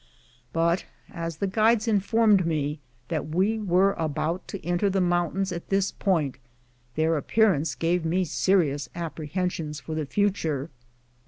But, as the guides informed me that we were to enter the mountains at this point, their appearance gave me serious apprehensions for the future.